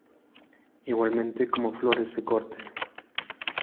Igualmente como flores de corte.